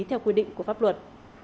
theo quy định của pháp luật